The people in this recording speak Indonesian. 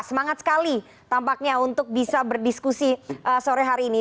semangat sekali tampaknya untuk bisa berdiskusi sore hari ini